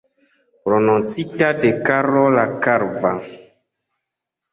Prononcita de Karlo la Kalva.